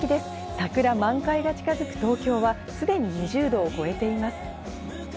桜満開が近づく東京はすでに２０度を超えています。